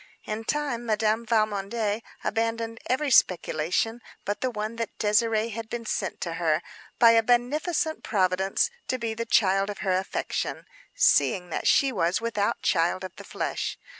In time Madame Valmondé abandoned every speculation but the one that Désirée had been sent to her by a beneficent Providence to be the child of her affection, seeing that she was without child of the flesh.